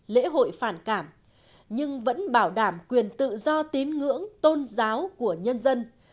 lễ hội phản cảm nhưng vẫn bảo đảm quyền tự do tín ngưỡng tôn giáo của nhân dân